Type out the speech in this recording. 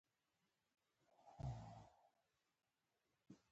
بل هر هغه څه چې د تاريخ په اوږدو کې .